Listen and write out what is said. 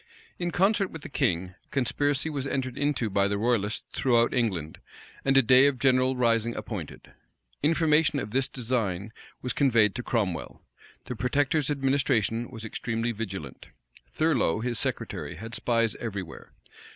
In concert with the king, a conspiracy was entered into by the royalists throughout England, and a day of general rising appointed. Information of this design was conveyed to Cromwell. The protector's administration was extremely vigilant. Thurloe, his secretary, had spies every where.